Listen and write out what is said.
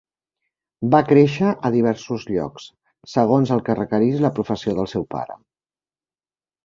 Va créixer a diversos llocs, segons el que requerís la professió del seu pare.